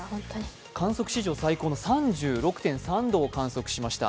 観測史上最高の３６．３度を観測しました。